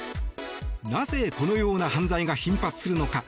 なぜ、このような犯罪が頻発するのか。